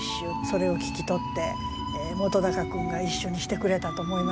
それを聞き取って本君が一首にしてくれたと思いますね。